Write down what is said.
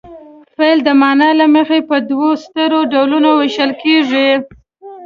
فعل د معنا له مخې په دوو سترو ډولونو ویشل کیږي.